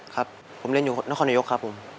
ครับผมเล่นอยู่นครนายกครับผม